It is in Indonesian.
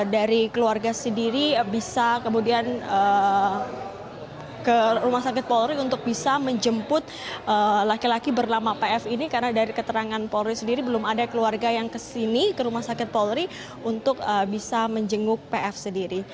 dari keluarga sendiri bisa kemudian ke rumah sakit polri untuk bisa menjemput laki laki bernama pf ini karena dari keterangan polri sendiri belum ada keluarga yang kesini ke rumah sakit polri untuk bisa menjenguk pf sendiri